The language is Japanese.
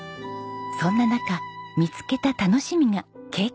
そんな中見つけた楽しみがケーキ作りでした。